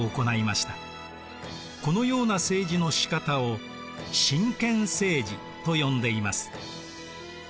このような政治のしかたを神権政治と呼んでいます。